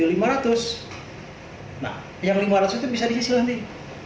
nah yang lima ratus itu bisa diisilin nih